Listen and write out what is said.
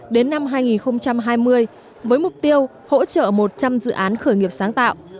đến năm hai nghìn hai mươi với mục tiêu hỗ trợ một trăm linh dự án khởi nghiệp sáng tạo